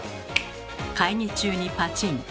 会議中にパチン。